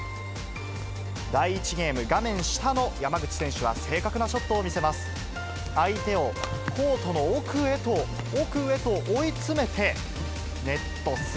第１ゲーム、画面下の山口選手は正確なショットを見せます。